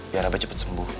biar abah cepet sembuh